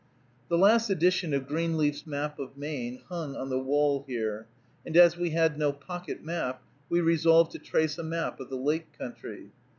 The last edition of Greenleaf's Map of Maine hung on the wall here, and, as we had no pocket map, we resolved to trace a map of the lake country.